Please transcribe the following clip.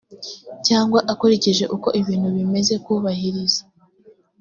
cyangwa ukurikije uko ibintu bimeze kubahiriza